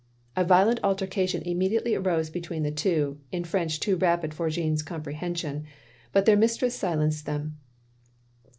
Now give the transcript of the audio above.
A violent altercation immediately arose be tween the two, in French too rapid for Jeanne's comprehension, but their mistress silenced them.